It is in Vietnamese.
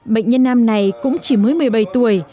bệnh nhân nam này cũng chỉ mới một mươi bảy tuổi